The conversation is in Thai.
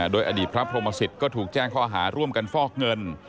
โดยอดีตพระพรหมศิษย์ก็ถูกแจ้งข้อหาร่วมกันฟอกเงิน